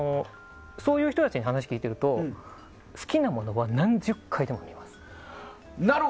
そういう人たちに話を聞いていると好きなものは何十回でも見ます。